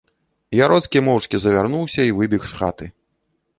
Яроцкі моўчкі завярнуўся й выбег з хаты.